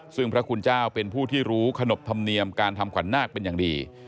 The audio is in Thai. ซึ่งพระคุณเจ้าเป็นผู้ที่รู้ขนบธรรมเนียมการทำขวัญนาคเป็นอย่างดี